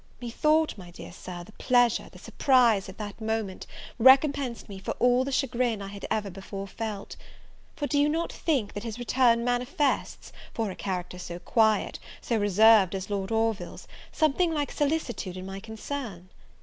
Methought, my dear Sir, the pleasure, the surprise of that moment, recompensed me for all the chagrin I had before felt: for do you not think, that his return manifests, for a character so quiet, so reserved as Lord Orville's, something like solicitude in my concerns?